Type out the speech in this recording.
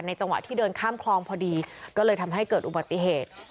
จังหวะที่เดินข้ามคลองพอดีก็เลยทำให้เกิดอุบัติเหตุ